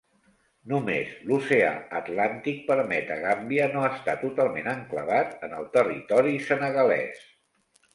Només l'Oceà Atlàntic permet a Gàmbia no estar totalment enclavat en el territori senegalès.